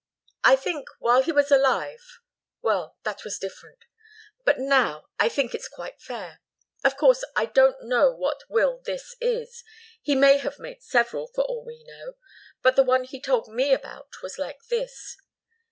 I think, while he was alive well, that was different. But now I think it's quite fair. Of course, I don't know what will this is. He may have made several, for all we know. But the one he told me about was like this.